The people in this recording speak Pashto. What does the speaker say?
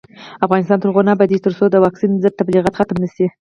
افغانستان تر هغو نه ابادیږي، ترڅو د واکسین ضد تبلیغات ختم نشي.